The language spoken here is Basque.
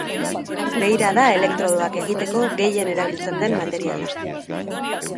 Beira da elektrodoak egiteko gehien erabiltzen den materiala.